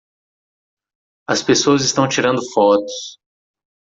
As pessoas estão tirando fotos